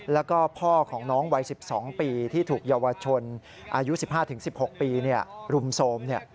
แล้วก็พ่อของน้องวัย๑๒ปีที่ถูกเยาวชนอายุ๑๕๑๖ปีรุมโทรม